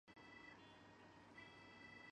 慢病毒感染不在细胞周期的细胞。